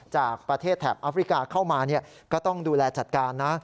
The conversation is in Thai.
จากประเทศแถบอัฟริกาเข้ามาก็ต้องดูแลจัดการนะ